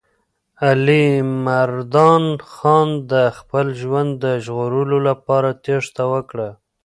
علیمردان خان د خپل ژوند د ژغورلو لپاره تېښته وکړه.